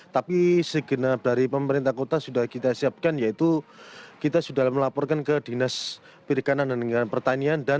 tapi segenap dari pemerintah kota sudah kita siapkan yaitu kita sudah melaporkan ke dinas perekanan dan negara pertanian dan satu ratus dua belas